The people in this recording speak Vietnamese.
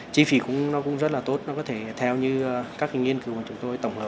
chi phí cũng rất là tốt nó có thể theo như các nghiên cứu mà chúng tôi tổng hợp